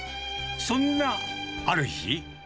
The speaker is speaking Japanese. そんなある日。